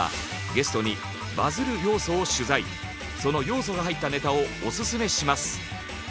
その要素が入ったネタをオススメします。